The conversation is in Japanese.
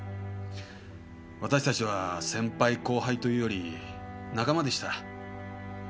私たちは先輩・後輩というより仲間でした。